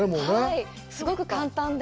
はい、すごく簡単で。